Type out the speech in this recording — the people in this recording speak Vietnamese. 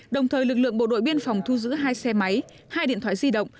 đồng thời lực lượng bộ đội biên phòng thu giữ hai xe máy hai điện thoại di động